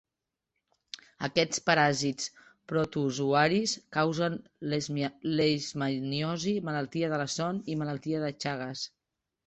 Aquests paràsits protozoaris causen leishmaniosi, malaltia de la son i malaltia de Chagas.